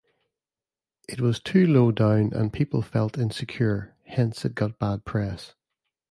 It was too low down and people felt insecure, hence it got bad press.